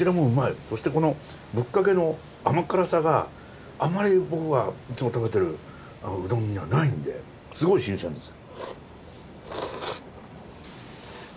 そしてこのぶっかけの甘辛さがあまり僕がいつも食べてるうどんにはないんですごい新鮮です。